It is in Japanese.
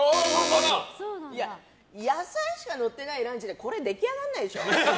野菜しかのってないランチでこれ、出来上がらないでしょ。